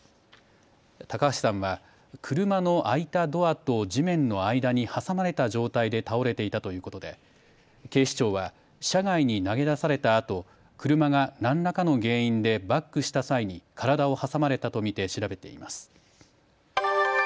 高橋さんは車の開いたドアと地面の間に挟まれた状態で倒れていたということで警視庁は車外に投げ出されたあと車が何らかの原因でバックした際に体を挟まれたとみて調べています。